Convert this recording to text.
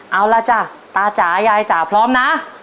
เอาล่ะจ้ะตาจ๋ายายจ๋าพร้อมนะ